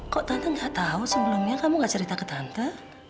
kok tante gak tahu sebelumnya kamu gak cerita ke tante